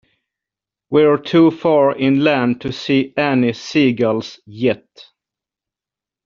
We're too far inland to see any seagulls yet.